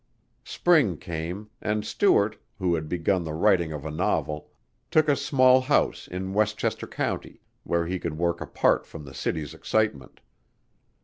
Spring came, and Stuart, who had begun the writing of a novel, took a small house in Westchester County, where he could work apart from the city's excitement.